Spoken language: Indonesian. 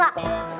santai aja dong lu